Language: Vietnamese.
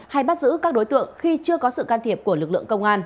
hay bắt giữ các đối tượng khi chưa có sự can thiệp của lực lượng công an